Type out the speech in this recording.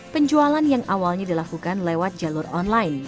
penjualan yang awalnya dilakukan lewat jalur online